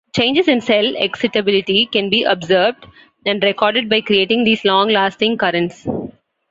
Changes in cell excitability can be observed and recorded by creating these long-lasting currents.